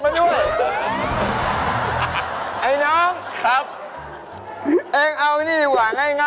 เอ้าครับเอานี่ครับครับ